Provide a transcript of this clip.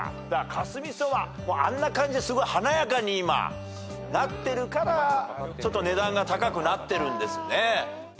カスミソウはあんな感じですごい華やかなになってるからちょっと値段が高くなってるんですね。